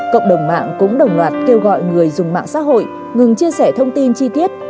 cộng đồng mạng cũng đồng loạt kêu gọi người dùng mạng xã hội ngừng chia sẻ thông tin chi tiết